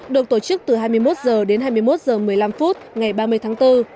được tổ chức từ hai mươi một h đến hai mươi một h một mươi năm phút ngày ba mươi tháng bốn